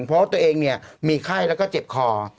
เพราะว่าตัวเองเนี่ยมีไข้แล้วก็เจ็บคอ